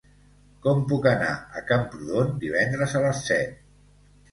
Com puc anar a Camprodon divendres a les set?